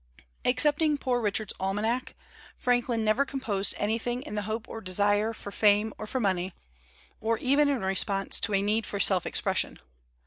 Excepting "Poor Richard's Almanack" Franklin never composed anything in the hope or desire for fame or for money, or even in response to a need for self expression.